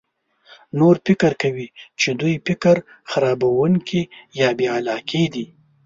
نور فکر کوي چې دوی فکر خرابونکي یا بې علاقه دي.